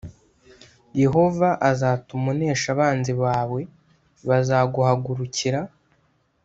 “yehova azatuma unesha abanzi bawe bazaguhagurukira+